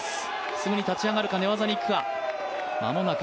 すぐに立ち上がるか、寝技にいくか。